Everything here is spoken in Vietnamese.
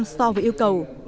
so với yêu cầu